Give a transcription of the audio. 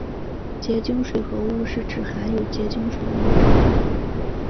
结晶水合物是指含有结晶水的物质。